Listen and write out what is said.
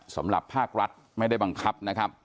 สำหรับภาครัฐไม่ได้บังคับนะครับ